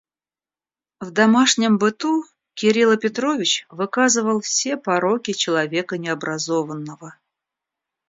В домашнем быту Кирила Петрович выказывал все пороки человека необразованного.